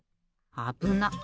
あぶな。